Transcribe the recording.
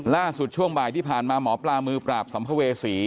ล่าสุดช่วงบ่ายที่ผ่านมาหมอปลามือปราบสำควเวศี